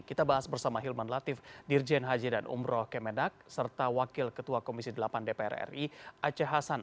kita bahas bersama hilman latif dirjen haji dan umroh kemedak serta wakil ketua komisi delapan dpr ri aceh hasan